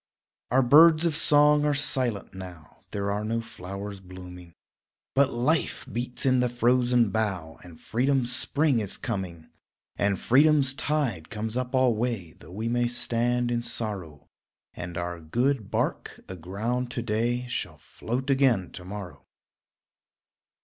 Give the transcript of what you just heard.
Our birds of song are silent now, There are no flowers blooming, But life beats in the frozen bough And freedom's spring is coming. And freedom's tide comes up alway Though we may stand in sorrow; And our good bark, aground to day, Shall float again to morrow.